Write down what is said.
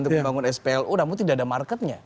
untuk membangun splu namun tidak ada marketnya